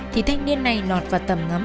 thì thanh niên này lọt vào tầm ngắm